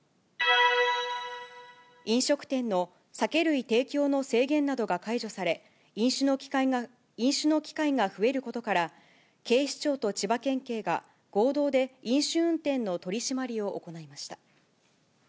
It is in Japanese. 飲食店の酒類提供の制限などが解除され、飲酒の機会が増えることから、警視庁と千葉県警が合同で飲酒運転の取締りを行いました。